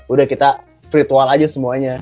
udah kita ritual aja semuanya